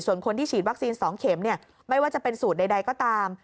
ส่วนคนที่ฉีดวัคซีน๒เข็มไม่ว่าจะเป็นสูตรใดก็ตาม